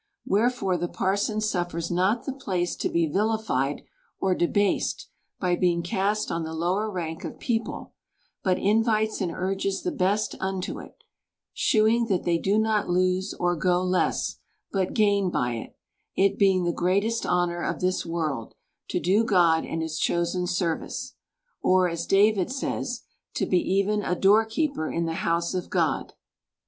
Where fore the parson suffers not the place to be vilified or debased, by being cast on the lower rank of people ; but invites and urges the best unto it, shewing that they do not lose or go less, but gain, by it ;— it being the great est honor of this world, to do God and his chosen service ; or, as David says, to he even a door keeper in the house of God.